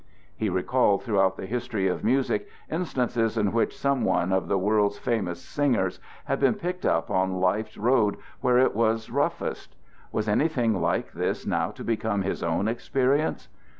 He recalled throughout the history of music instances in which some one of the world's famous singers had been picked up on life's road where it was roughest. Was anything like this now to become his own experience?